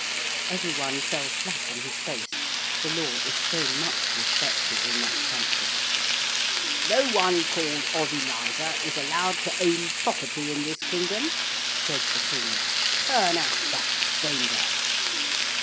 Every one fell flat on his face. The law is so much respected in that country. 'No one called Ozyliza is allowed to own property in this kingdom,' said the King. 'Turn out that stranger.'